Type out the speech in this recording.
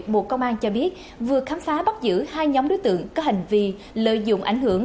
bộ công an cho biết vừa khám phá bắt giữ hai nhóm đối tượng có hành vi lợi dụng ảnh hưởng